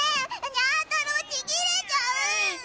にゃ太郎ちぎれちゃう！